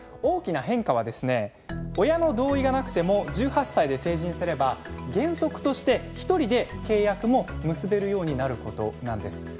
大きな変化はですね親の同意がなくても１８歳で成人すれば原則として一人で契約も結べるようになることなんです。